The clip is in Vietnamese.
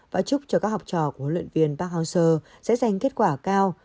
và chúc cho các học trò của huấn luyện viên park hang seo sẽ giành kết quả cao dù thiếu các đồng đội